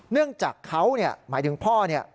เนื่องจากเขาหมายถึงพ่อเนี่ย